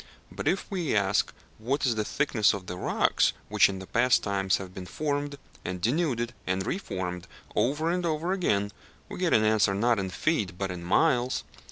But if we ask what is the thickness of the rocks which in past times have been formed, and denuded, and re formed, over and over again, we get an answer, not in feet, but in miles.